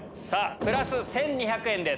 プラス１２００円です。